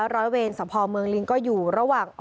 ร้อยเวนสเตาเปลืองลิ้งปีศาจก็อยู่ระหว่าง